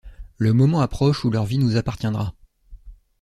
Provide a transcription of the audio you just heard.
Le moment approche où leur vie nous appartiendra!